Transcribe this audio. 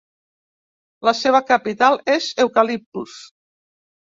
La seva capital és Eucaliptus.